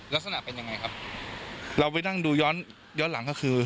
ลักษณะเป็นยังไงครับเราไปนั่งดูย้อนย้อนหลังก็คือ